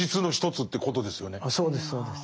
そうですそうです。